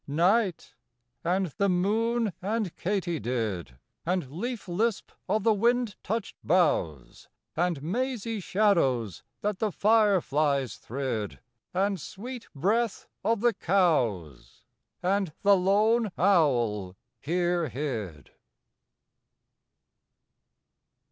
Night and the moon and katydid, And leaf lisp of the wind touched boughs; And mazy shadows that the fire flies thrid; And sweet breath of the cows; And the lone owl here hid.